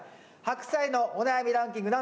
ハクサイのお悩みランキング